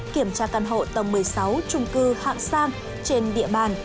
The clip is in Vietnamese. kiểm tra căn hộ tầng một mươi sáu trung cư hạng sang trên địa bàn